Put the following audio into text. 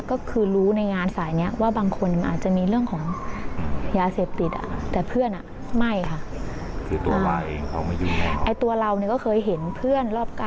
ก็คือตัวเองนะคือรู้ในงานสายเนี่ยว่าบางคนอาจจะมีเรื่องของยาเสพติดอ่ะแต่เพื่อนอ่ะไม่ค่ะค่ะคือตัวมายังให้ตัวเราก็เคยเห็นเพื่อนรอบ